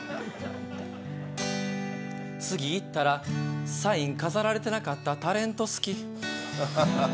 次行ったらサイン飾られてなかったタレント好き。